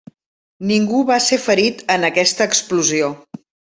Ningú va ser ferit en aquesta explosió.